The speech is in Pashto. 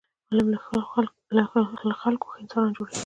علم له خلکو ښه انسانان جوړوي.